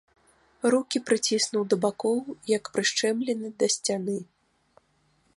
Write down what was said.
Рукі прыціснуў да бакоў, як прышчэмлены да сцяны.